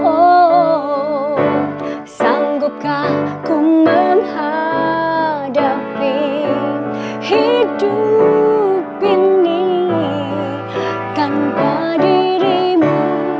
oh sanggupkah ku menghadapi hidup pini tanpa dirimu